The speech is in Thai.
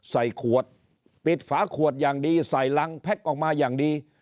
ใส่ขวดปิดฝาขวดอย่างดีใส่รังแพ็คออกมาอย่างดี